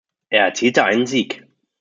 Er erzielte einen Sieg.